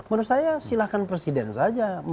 menurut saya silahkan presiden saja